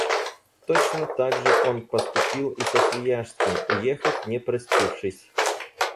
Точно так же он поступил и со Свияжским, уехав, не простившись.